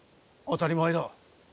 当たり前だ。